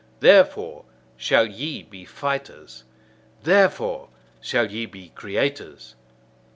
Therefore shall ye be fighters! Therefore shall ye be creators!